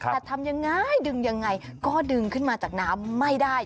แต่ทำยังไงดึงยังไงก็ดึงขึ้นมาจากน้ำไม่ได้